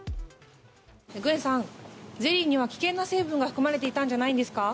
グエンさん、ゼリーには危険な成分が含まれていたんじゃないですか？